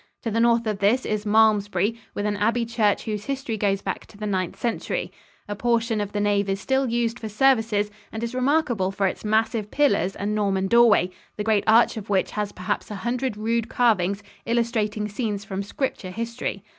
To the north of this is Malmesbury, with an abbey church whose history goes back to the Ninth Century. A portion of the nave is still used for services and is remarkable for its massive pillars and Norman doorway, the great arch of which has perhaps a hundred rude carvings illustrating scenes from scripture history.